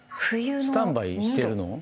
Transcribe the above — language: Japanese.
スタンバイしてるの？